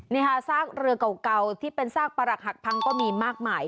นี่ค่ะซากเรือเก่าที่เป็นซากประหลักหักพังก็มีมากมาย